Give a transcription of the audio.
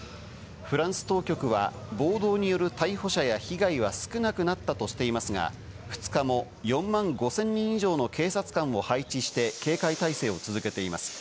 フランス当局は暴動による逮捕者や被害は少なくなったとしていますが、２日も４万５０００人以上の警察官を配置して、警戒態勢を続けています。